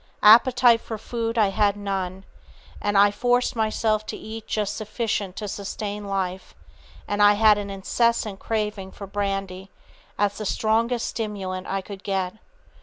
Appetite for food I had none, but I forced myself to eat just sufficient to sustain life, and I had an incessant craving for brandy, as the strongest stimulant I could get.